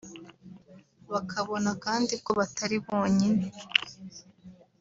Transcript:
bakabona kandi ko batari bonyine